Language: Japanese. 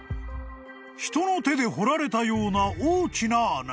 ［人の手で掘られたような大きな穴］